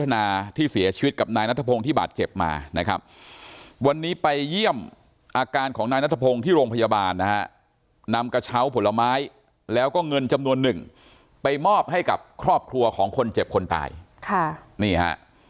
นายนัทพงศ์ที่บาดเจ็บมานะครับวันนี้ไปเยี่ยมอาการของนายนัทพงศ์ที่โรงพยาบาลนะฮะนำกระเช้าผลไม้แล้วก็เงินจำนวนหนึ่งไปมอบให้กับครอบครัวของคนเจ็บคนตายค่ะนี่ฮะ